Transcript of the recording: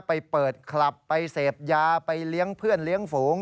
ไปเปิดคลับไปเสพยาไปเลี้ยงเพื่อนเลี้ยงฝูง